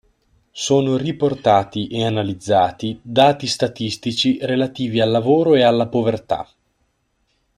Sono riportati e analizzati dati statistici relativi al lavoro e alla povertà.